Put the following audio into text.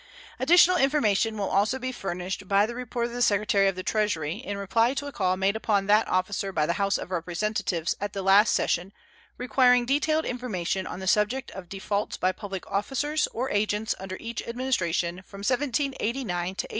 Additional information will also be furnished by the report of the Secretary of the Treasury, in reply to a call made upon that officer by the House of Representatives at the last session requiring detailed information on the subject of defaults by public officers or agents under each Administration from 1789 to 1837.